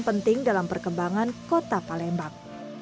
penting dalam perkembangan kota palembang